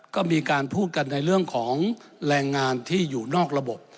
ก็มีการพูดกันในเรื่องของแรงงานที่อยู่นอกระบบ